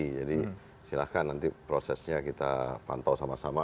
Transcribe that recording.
jadi silahkan nanti prosesnya kita pantau sama sama